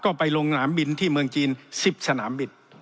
ก็ไปลงสนามบินที่เมืองจีน๑๐สนามบิน